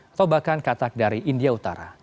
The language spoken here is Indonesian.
atau bahkan katak dari india utara